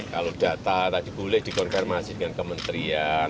kalau data tadi boleh dikonfirmasi dengan kementerian